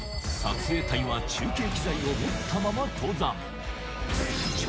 撮影隊は中継機材を持ったまま登山。